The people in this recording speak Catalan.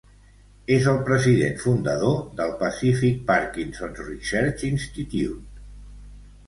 És el president fundador del Pacific Parkinson's Research Institute.